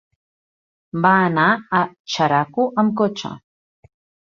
Va anar a Xeraco amb cotxe.